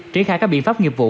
trí khai các biện pháp nghiệp vụ